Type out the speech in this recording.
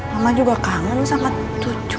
mamah juga kangen sama jutjut